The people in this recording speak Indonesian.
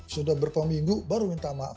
sudah berpeminggu baru minta maaf